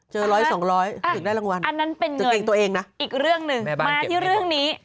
จึงได้รางวัลเจอร้อยสองร้อยเรื่องหนึ่งมาที่เรื่องนี้